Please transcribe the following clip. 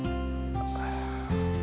gua mau main